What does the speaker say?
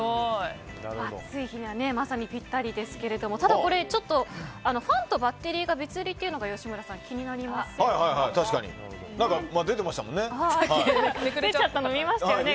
暑い日にはぴったりですけれどもただこれ、ファンとバッテリーが別売りというのが吉村さん、気になりますよね。